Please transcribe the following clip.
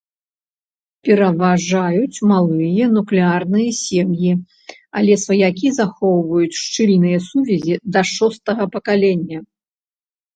Пераважаюць малыя нуклеарныя сем'і, але сваякі захоўваюць шчыльныя сувязі да шостага пакалення.